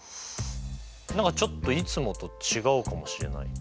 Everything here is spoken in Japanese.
何かちょっといつもと違うかもしれない。